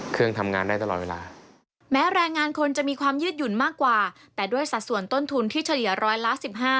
เครื่องทำงานได้ตลอดเวลา